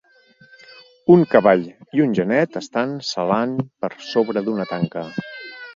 Un cavall i un genet estan salant per sobre d'una tanca.